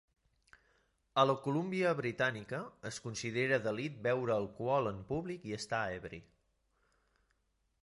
A la Colúmbia Britànica, es considera delit beure alcohol en públic i estar ebri.